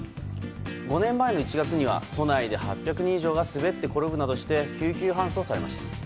５年前の１月には都内で８００人以上が滑って転ぶなどして救急搬送されました。